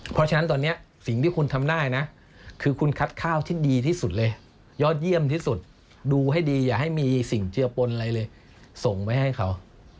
เพราะฉะนั้นตอนนี้สิ่งที่คุณทำได้นะคือคุณคัดข้าวที่ดีที่สุดเลยยอดเยี่ยมที่สุดดูให้ดีอย่าให้มีสิ่งเจือปนอะไรเลยส่งไปให้เขา